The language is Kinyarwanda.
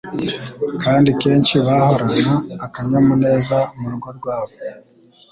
kdi kenshi bahorana akanyamuneza murugo rwabo